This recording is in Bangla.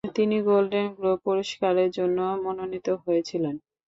তিনি গোল্ডেন গ্লোব পুরস্কারের জন্যও মনোনীত হয়েছিলেন।